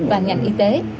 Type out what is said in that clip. và ngành y tế